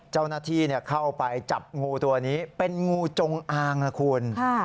เจ้าหน้าที่เข้าไปจับงูตัวนี้เป็นงูจงอางนะคุณ